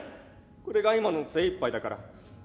これが今の精いっぱいだから。